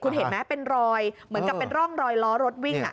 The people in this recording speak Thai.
คุณเห็นไหมเป็นรอยเหมือนกับเป็นร่องรอยล้อรถวิ่ง